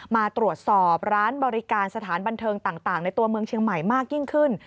มาตรวจสอบร้านบริการสถานบันเทิงต่างในตัวเมืองเชียงใหม่มากยิ่งขึ้น